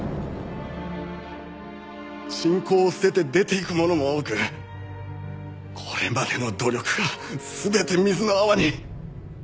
信仰を捨てて出ていく者も多くこれまでの努力が全て水の泡に。